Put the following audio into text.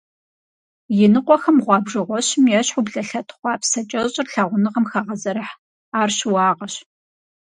Иныкъуэхэм гъуэбжэгъуэщым ещхьу блэлъэт хъуапсэ кӀэщӀыр лъагъуныгъэм хагъэзэрыхь, ар щыуагъэщ.